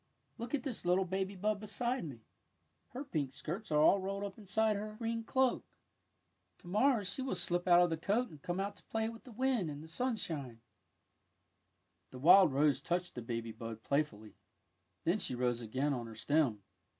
'' Look at this little baby bud beside me. Her pink skirts are all rolled up inside her BANKS OF ROSES 101 green cloak. To morrow she will slip out of the coat and come out to play with the wind and the smishine.'^ The wild rose touched the baby bud play fully. Then she rose again on her stem.